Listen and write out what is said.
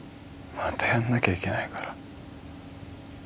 またやんなきゃいけないから。